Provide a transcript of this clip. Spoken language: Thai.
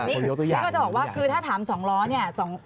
คือถ้าถามสองล้อเนี่ย